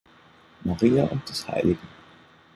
Maria und des hl.